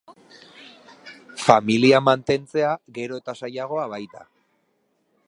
Familia mantentzea gero eta zailago baita.